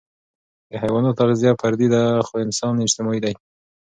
د حيواناتو تغذیه فردي ده، خو انسان اجتماعي دی.